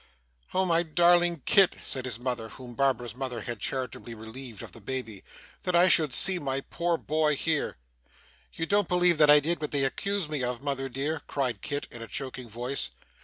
'Oh! my darling Kit,' said his mother, whom Barbara's mother had charitably relieved of the baby, 'that I should see my poor boy here!' 'You don't believe that I did what they accuse me of, mother dear?' cried Kit, in a choking voice.